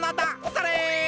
それ！